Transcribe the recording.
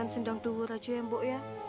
sunat sendang duhur aja ya mbok ya